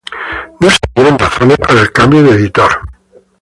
No se dieron razones para el cambio de editor.